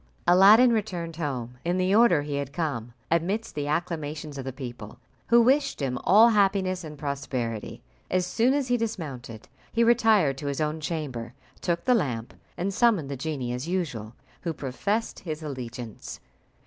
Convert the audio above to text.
Aladdin returned home in the order he had come, amidst the acclamations of the people, who wished him all happiness and prosperity. As soon as he dismounted, he retired to his own chamber, took the lamp, and summoned the genie as usual, who professed his allegiance.